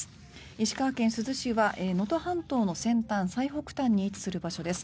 石川県珠洲市は能登半島の先端最北端に位置する場所です。